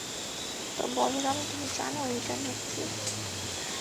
তো, বলরাম, তুমি জানো ইন্টারনেট কী?